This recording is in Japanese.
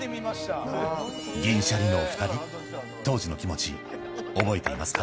銀シャリの２人、当時の気持ち、覚えていますか？